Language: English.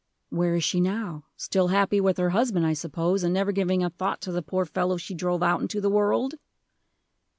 "Where is she now? Still happy with her husband, I suppose, and never giving a thought to the poor fellow she drove out into the world?"